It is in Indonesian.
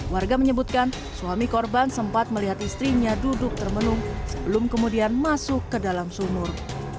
warga menyebutkan suami korban sempat melihat istrinya duduk termenung sebelum kemudian masuk ke dalam sumur